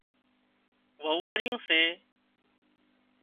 وئوئاريون سي